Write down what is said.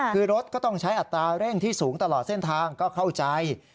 คือรถก็ต้องใช้อัตราเร่งที่สูงตลอดเส้นทางก็เข้าใจ